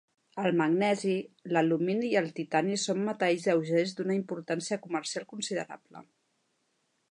El magnesi, l'alumini i el titani són metalls lleugers d'una importància comercial considerable.